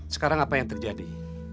sekarang apa yang terjadi